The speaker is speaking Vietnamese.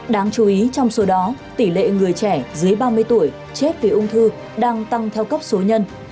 đáng chú ý trong số đó tỷ lệ người trẻ dưới ba mươi tuổi chết vì ung thư đang tăng theo cấp số nhân